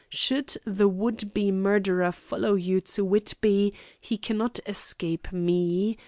Should the would be murderer follow you to Whitby he cannot escape me.